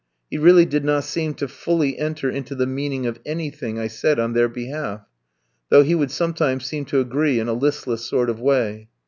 He really did not seem to fully enter into the meaning of anything I said on their behalf, though he would sometimes seem to agree in a listless sort of way.